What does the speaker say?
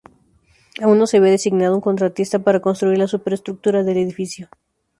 Aún no se había designado un contratista para construir la superestructura del edificio.